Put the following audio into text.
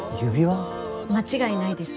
間違いないです。